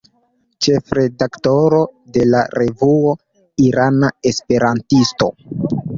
Ĉefredaktoro de la revuo "Irana Esperantisto".